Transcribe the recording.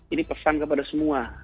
ini pesan kepada semua